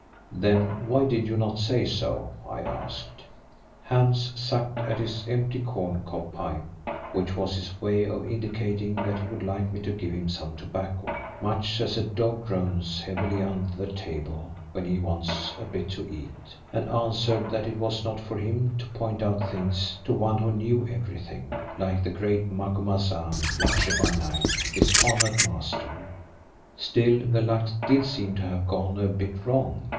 "Then why did you not say so?" I asked. Hans sucked at his empty corn cob pipe, which was his way of indicating that he would like me to give him some tobacco, much as a dog groans heavily under the table when he wants a bit to eat, and answered that it was not for him to point out things to one who knew everything, like the great Macumazahn, Watcher by Night, his honoured master. Still, the luck did seem to have gone a bit wrong.